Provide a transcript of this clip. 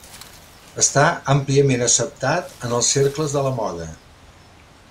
Està àmpliament acceptat en els cercles de la moda.